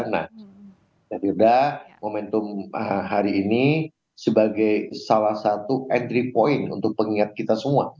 nah dirda momentum hari ini sebagai salah satu entry point untuk pengingat kita semua